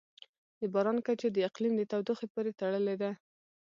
د باران کچه د اقلیم د تودوخې پورې تړلې ده.